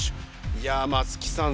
いや松木さん